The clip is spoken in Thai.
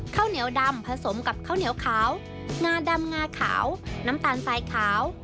ข้าวเหนียวดำผสมกับข้าวเหนียวขาวงาดำงาขาวน้ำตาลทรายขาว